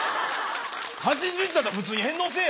８１だったら普通に返納せえや！